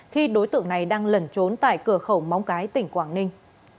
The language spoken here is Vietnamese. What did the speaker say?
khi đối tượng này đang lẩn trốn tại cửa khẩu móng cái tỉnh quảng ninh